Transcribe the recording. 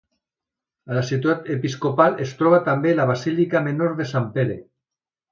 A la ciutat episcopal es troba també la basílica menor de Sant Pere.